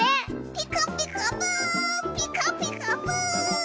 「ピカピカブ！ピカピカブ！」